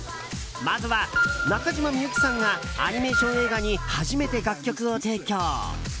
まずは、中島みゆきさんがアニメーション映画に初めて楽曲を提供。